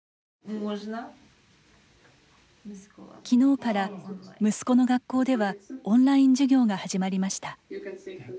きのうから、息子の学校ではオンライン授業が始まりました。